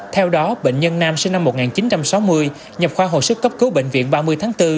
theo đó bệnh nhân nam sinh năm một nghìn chín trăm sáu mươi nhập khoa hồi sức cấp cứu bệnh viện ba mươi tháng bốn